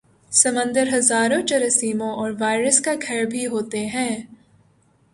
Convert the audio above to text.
سمندر ہزاروں جراثیموں اور وائرس کا گھر بھی ہوتے ہیں